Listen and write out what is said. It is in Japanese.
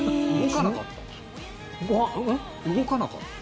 動かなかった？